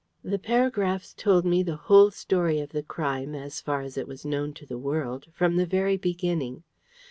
The paragraphs told me the whole story of the crime, as far as it was known to the world, from the very beginning.